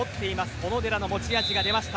小野寺の持ち味が出ました。